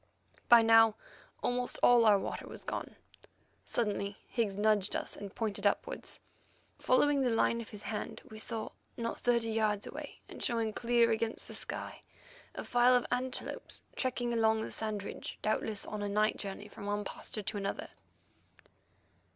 By now almost all our water was gone. Suddenly Higgs nudged us and pointed upwards. Following the line of his hand, we saw, not thirty yards away and showing clear against the sky, a file of antelopes trekking along the sand ridge, doubtless on a night journey from one pasturage to another.